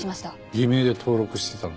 偽名で登録してたのか。